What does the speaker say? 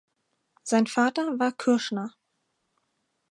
Sein Vater war Kürschner.